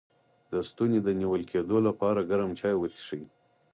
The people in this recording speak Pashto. د ستوني د نیول کیدو لپاره ګرم چای وڅښئ